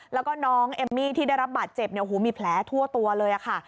แล้วก็น้องเอมมี่ที่ได้รับบาดเจ็บมีแผลทั่วตัวเลยค่ะ